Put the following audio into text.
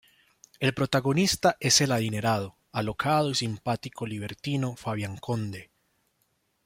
El protagonista es el adinerado, alocado y simpático libertino Fabián Conde.